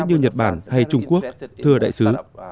như nhật bản hay trung quốc thưa đại sứ